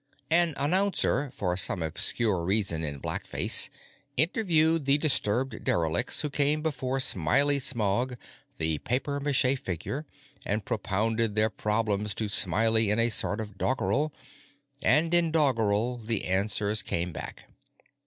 An announcer, for some obscure reason in blackface, interviewed the disturbed derelicts who came before Smiley Smog, the papier mâché figure, and propounded their problems to Smiley in a sort of doggerel. And in doggerel the answers came back.